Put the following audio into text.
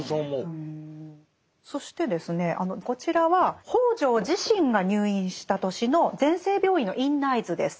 そしてですねこちらは北條自身が入院した年の全生病院の院内図です。